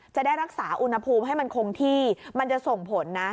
จะได้รักษาอุณหภูมิให้มันคงที่มันจะส่งผลนะ